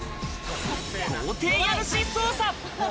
豪邸家主捜査。